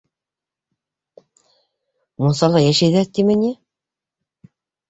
Мунсала йәшәйҙәр тиме ни?!